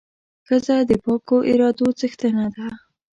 ښځه د پاکو ارادو څښتنه ده.